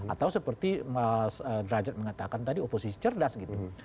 atau seperti mas derajat mengatakan tadi oposisi cerdas gitu